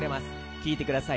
聴いてください